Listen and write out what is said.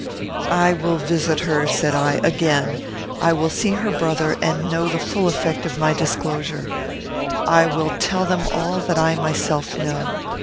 "I will visit her," said I, "again. I will see her brother, and know the full effect of my disclosure. I will tell them all that I myself know.